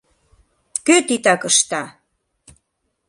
КӦ ТИТАК ЫШТА?